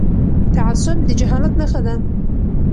تعصب د جهالت نښه ده..